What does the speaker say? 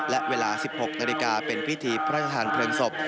และเวลา๑๖นาฬิกาเป็นพิธีพระราชทานเพลิงศพ